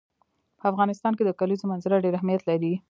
په افغانستان کې د کلیزو منظره ډېر اهمیت لري.